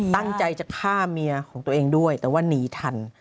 ตั้งใจจะฆ่าเมียของตัวเองด้วยแต่ว่าหนีทัน